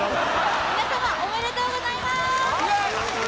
皆様おめでとうございます！